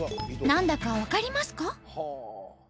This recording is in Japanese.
何だか分かりますか？